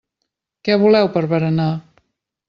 Què voleu per berenar?